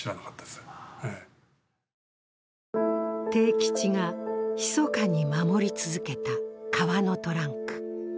悌吉が密かに守り続けた革のトランク。